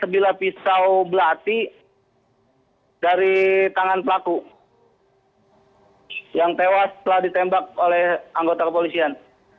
sebilah pisau belati dari tangan pelaku yang tewas setelah ditembak oleh anggota kepolisian